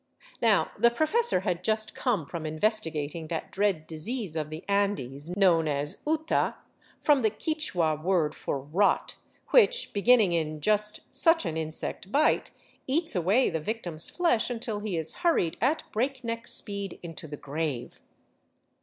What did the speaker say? Now the professor had just come from investigating that dread disease of the Andes knows as uta, from the Quichua word for rot, which, beginning in just such an insect bite, eats away the victim's flesh until he is hurried at breakneck speed into the grave.